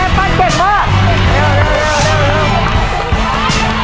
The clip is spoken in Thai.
มีทั้งหมด๔จานแล้วนะฮะ